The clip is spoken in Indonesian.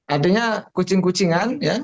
adanya kucing kucingan ya